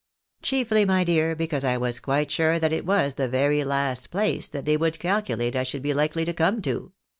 " Chiefly, my dear, because I was quite sure that it was the very last place that they would calculate I should be likely to come to.